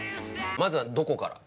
まずはどこから？